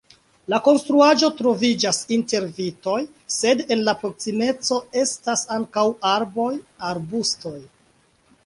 La konstruaĵo troviĝas inter vitoj, sed en la proksimeco estas ankaŭ arboj, arbustoj.